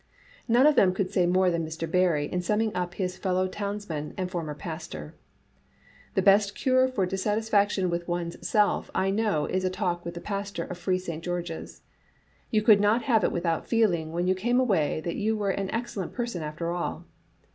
None of them could say more than Mr. Barrie in summing up his fellow townsman and former pastor. The best cure for dis satisfaction with one's self I know is a talk with the pastor of Free St. George's. You could not have it without feeling when you came away that you were an excellent person after all.